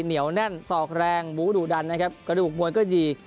เหนียวแน่นสอกแรงหมูดุดันนะครับกระดูกมวยก็ดี